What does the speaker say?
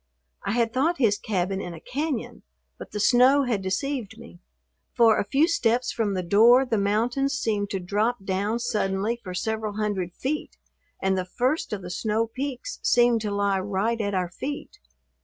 I had thought his cabin in a cañon, but the snow had deceived me, for a few steps from the door the mountains seemed to drop down suddenly for several hundred feet and the first of the snow peaks seemed to lie right at our feet.